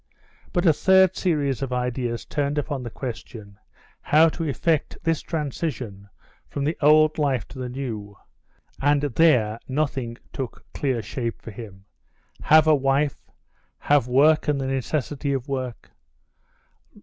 But a third series of ideas turned upon the question how to effect this transition from the old life to the new. And there nothing took clear shape for him. "Have a wife? Have work and the necessity of work?